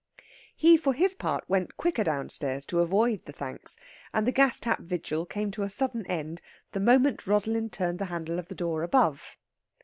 He, for his part, went quicker downstairs to avoid the thanks, and the gas tap vigil came to a sudden end the moment Rosalind turned the handle of the door above....